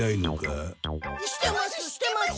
してますしてます。